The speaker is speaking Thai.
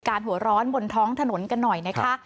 เหตุการณ์หัวร้อนบนท้องถนนกันหน่อยนะคะ